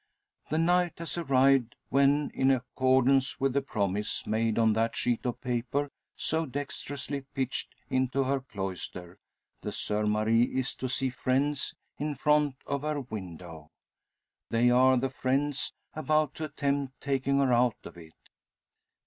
The night has arrived when, in accordance with the promise made on that sheet of paper so dexterously pitched into her cloister, the Soeur Marie is to see friends in front of her window. They are the friends; about to attempt taking her out of it.